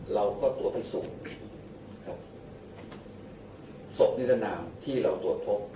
เราก็ตัวไปสูงครับศพนิจนาลที่เราตัวพบ